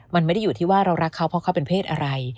มันไม่ได้อยู่ที่ว่าเรารักเขาเพราะเขาเป็นเพศอะไร